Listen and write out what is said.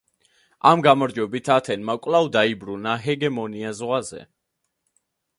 ამ გამარჯვებით ათენმა კვლავ დაიბრუნა ჰეგემონია ზღვაზე.